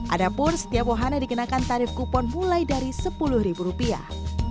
ada pun setiap wahana dikenakan tarif kupon mulai dari sepuluh ribu rupiah